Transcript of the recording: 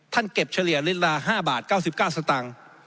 เก็บเฉลี่ยลิตรละ๕บาท๙๙สตางค์